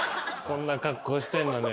こんな格好してんのに。